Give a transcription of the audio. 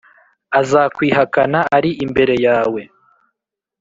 azakwihakana ari imbere yawe